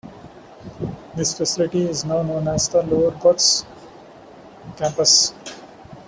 This facility is now known as the Lower Bucks Campus.